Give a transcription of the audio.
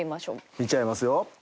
見ちゃいますよ。